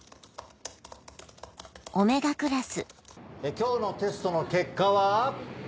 今日のテストの結果は。